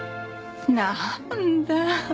なんだ。